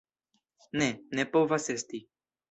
Ne, ne povas esti!